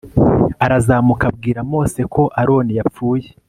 arazamuka abwira mose ko aroni yapfuye